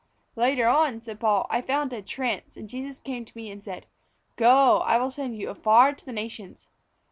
"Later on," said Paul, "I fell into a trance, and Jesus came again to me and said, 'Go, I will send you afar to the Nations.'